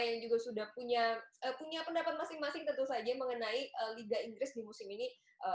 yang juga sudah punya pendapat masing masing tentu saja mengenai liga inggris di musim ini